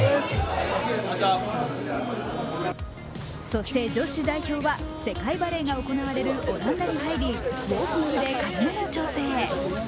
そして、女子代表は世界バレーが行われるオランダに入り、ウォーキングで軽めの調整。